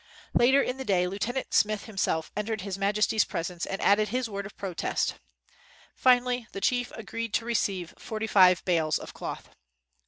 Later in the day, Lieu tenant Smith himself entered his majesty's presence and added his word of protest. Finally the chief agreed to receive forty five bales of cloth.